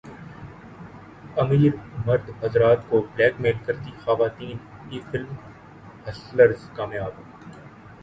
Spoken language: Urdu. امیر مرد حضرات کو بلیک میل کرتی خواتین کی فلم ہسلرز کامیاب